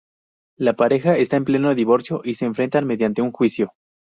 La pareja está en pleno divorcio y se enfrentan mediante un juicio.